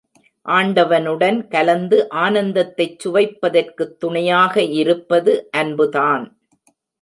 ஆண்டவனுடன் கலந்து ஆனந்தத்தைச் சுவைப்பதற்குத் துணையாக இருப்பது அன்புதான்.